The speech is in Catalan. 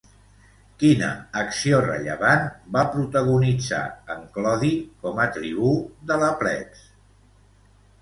Quina acció rellevant va protagonitzar en Clodi com a tribú de la plebs?